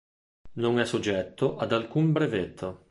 Non è soggetto ad alcun brevetto.